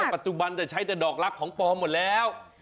ปัจจุบันจะใช้แต่ดอกลักษณ์ของปลอมหมดแล้ว